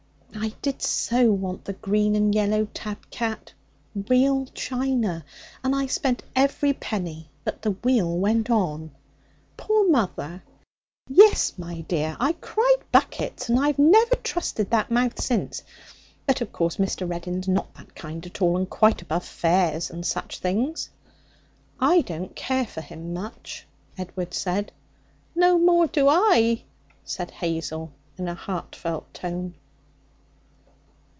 I did so want the green and yellow tab cat real china and I spent every penny, but the wheel went on.' 'Poor mother!' 'Yes, my dear, I cried buckets. And I've never trusted that mouth since. But, of course, Mr. Reddin's not that kind at all, and quite above fairs and such things.' 'I don't care for him much,' Edward said. 'No more do I,' said Hazel in a heartfelt tone.